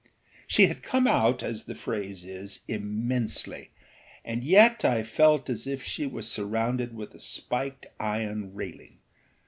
She had come out, as the phrase is, immensely; and yet I felt as if she were surrounded with a spiked iron railing.